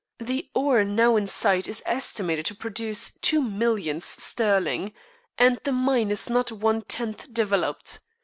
The ore now in sight is estimated to produce two millions sterling, and the mine is not one tenth developed.